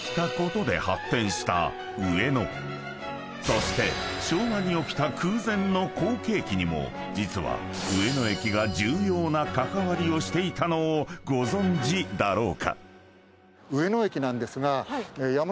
［そして昭和に起きた空前の好景気にも実は上野駅が重要な関わりをしていたのをご存じだろうか？］